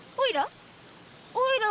おいら？